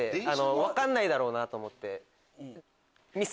分かんないだろうなと思って。